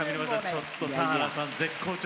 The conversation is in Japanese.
ちょっと田原さん絶好調ですね。